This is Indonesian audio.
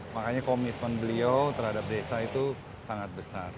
makanya komitmen beliau terhadap desa itu sangat besar